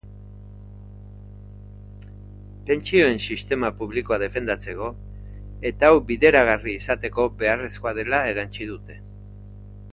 Pentsioen sistema publikoa defendatzeko, eta hau bideragarri izateko beharrezkoa dela erantsi dute.